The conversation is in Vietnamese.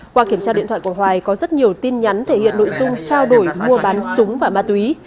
qua kiểm tra điện thoại của hoài có rất nhiều tin nhắn thể hiện nội dung trao đổi mua bán súng và ma túy